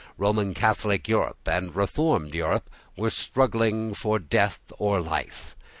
Roman Catholic Europe and reformed Europe were struggling for death or life.